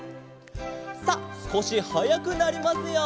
さあすこしはやくなりますよ。